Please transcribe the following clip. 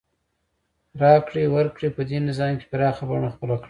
راکړې ورکړې په دې نظام کې پراخه بڼه خپله کړه.